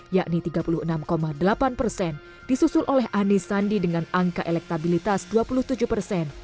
yakni tiga puluh enam delapan persen disusul oleh anies sandi dengan angka elektabilitas dua puluh tujuh persen